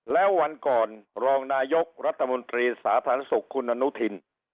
แล้ววันก่อนรองนายกรัฐมนตรีสาธารณสุขคุณอนุทิน